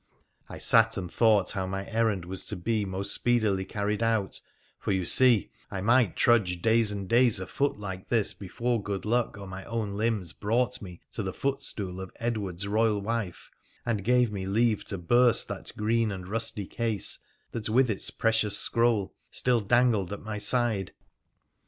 I sat and thought how my errand was to be most speedily carried out, for you see I might trudge days and days afoot like this before good luck or my own limbs brought me to the footstool of Edward's Eoyal wife, and gave me leave to burst that green and rusty case that, with its precious scroll, still dangled at my side.